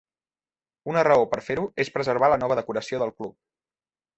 Una raó per fer-ho és preservar la nova decoració del club.